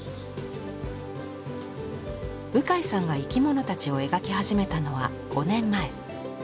鵜飼さんが生き物たちを描き始めたのは５年前。